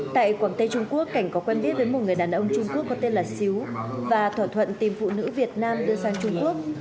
tại quảng tây trung quốc cảnh có quen biết với một người đàn ông trung quốc có tên là xíu và thỏa thuận tìm phụ nữ việt nam đưa sang trung quốc